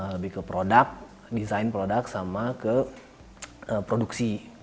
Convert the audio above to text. lebih ke product design product sama ke produksi